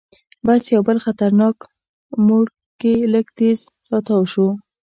بس یو بل خطرناک موړ کې لږ تیز تاو شو.